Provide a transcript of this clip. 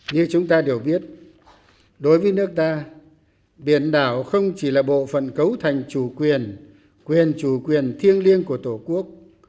như chúng ta đều biết đối với nước ta biển đảo không chỉ là bộ phận cấu thành chủ quyền quyền chủ quyền thiêng liêng của tổ quốc